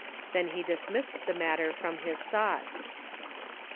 Then he dismissed the matter from his thoughts.